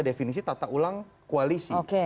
definisi tata ulang koalisi